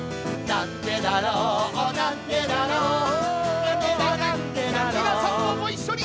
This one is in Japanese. なんでだなんでだろうみなさんもごいっしょに！